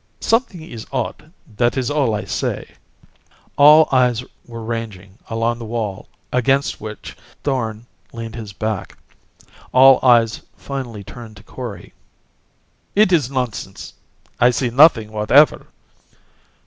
"Something is odd that is all I say." All eyes were ranging along the wall against which Thorn leaned his back. All eyes finally turned to Kori. "It is nonsense." "I see nothing whatever."